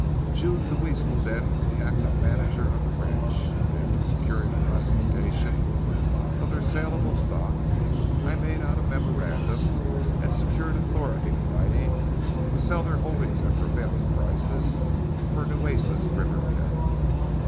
June Deweese was then the active manager of the ranch, and after securing a classification of their salable stock, I made out a memorandum and secured authority in writing, to sell their holdings at prevailing prices for Nueces river cattle.